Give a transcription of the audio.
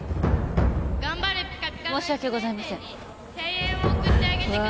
申し訳ございませんわあ